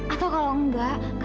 atau kalau enggak